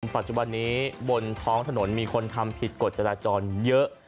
ปัจจุบันนี้บนท้องถนนมีคนทำผิดกฎจราจรเยอะ